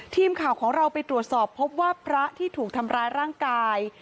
ทีมข่าวของเราไปตรวจสอบพบว่าพระที่ถูกทำร้ายร่างกาย